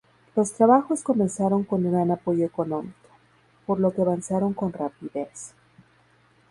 Los trabajos comenzaron con gran apoyo económico, por lo que avanzaron con rapidez.